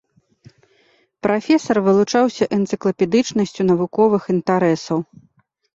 Прафесар вылучаўся энцыклапедычнасцю навуковых інтарэсаў.